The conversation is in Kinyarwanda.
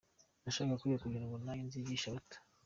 Nashakaga kwiga kugira ngo nanjye nzigishe abato.